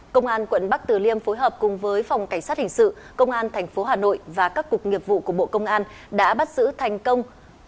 công an quận bắc từ liêm phối hợp cùng với phòng cảnh sát hình sự công an tp hà nội và các cục nghiệp vụ của bộ công an đã bắt giữ thành công